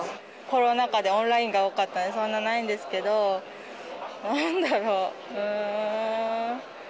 コロナ禍でオンラインが多かったので、そんなないんですけど、なんだろう、うーん。